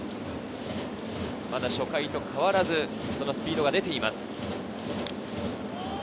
まだ初回と変わらずスピードが出ています。